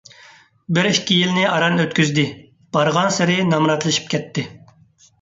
بىر - ئىككى يىلنى ئاران ئۆتكۈزدى، بارغانسېرى نامراتلىشىپ كەتتى.